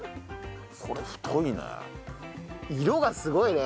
これ太いね。